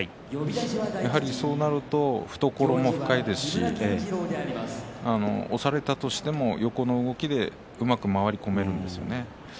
やはり、そうなると懐も深いですし押されたとしても横の動きでうまく回り込めるんですね。